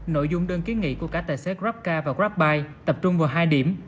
nội dung đơn kiến nghị của cả tài xế grabcar và grabbike tập trung vào hai điểm